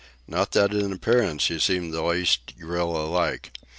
Not that in appearance he seemed in the least gorilla like.